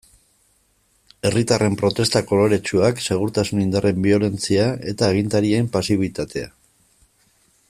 Herritarren protesta koloretsuak, segurtasun indarren biolentzia eta agintarien pasibitatea.